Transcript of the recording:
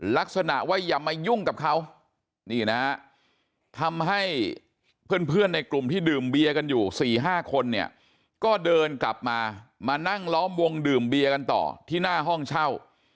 ลักษณะว่าอย่ามายุ่งกับเขานี่นะฮะทำให้เพื่อนในกลุ่มที่ดื่มเบียร์กันอยู่๔๕คนเนี่ยก็เดินกลับมามานั่งล้อมวงดื่มเบียร์กันต่อที่หน้าห้องเช่า